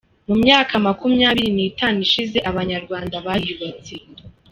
Mumyaka makumyabiri ni tanu ishize abanyarwanda bariyubatse.